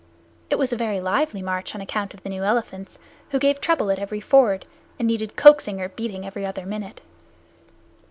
It was a very lively march on account of the new elephants, who gave trouble at every ford, and needed coaxing or beating every other minute.